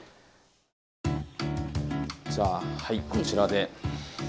じゃあこちらで。